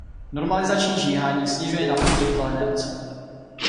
Normalizační žíhání snižuje napětí v kalené oceli.